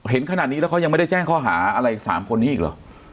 เห็นขนาดนี้แล้วเขายังไม่ได้แจ้งข้อหาอะไร๓คนนี้อีกหรอ